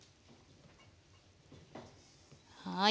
はい。